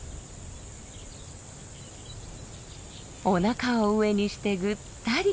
おなかを上にしてぐったり。